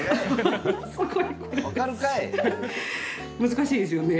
難しいですよね？